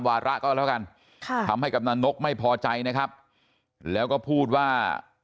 วาระก็แล้วกันค่ะทำให้กำนันนกไม่พอใจนะครับแล้วก็พูดว่า